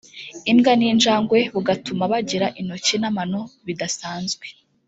imbwa n’injagwe bugatuma bagira intoki n’amano bidasanzwe